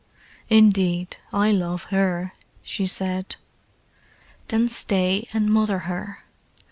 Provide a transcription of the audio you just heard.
"Indeed, I love her," she said. "Then stay and mother her.